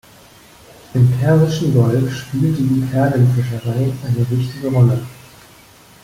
Im Persischen Golf spielte die Perlenfischerei eine wichtige Rolle.